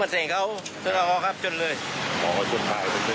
แบบว่าเขาเสียหลัก